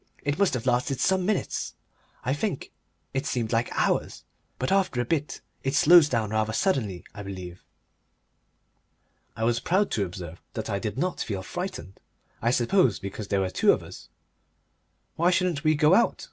It must have lasted some minutes, I think it seemed like hours. But after a bit it slows down rather suddenly, I believe." I was proud to observe that I did not feel frightened I suppose because there were two of us. "Why shouldn't we go out?"